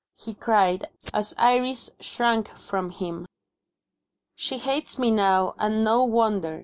he cried, as Iris shrank from him. "She hates me now, and no wonder."